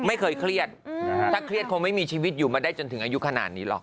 ไม่เคยเครียดถ้าเครียดคงไม่มีชีวิตอยู่มาได้จนถึงอายุขนาดนี้หรอก